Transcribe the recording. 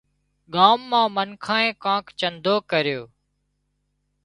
ڳام نان منکانئين ڪانڪ چندو ڪريو